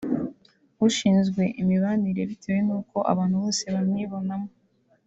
ushinzwe imibanire bitewe n’uko abantu bose bamwibonamo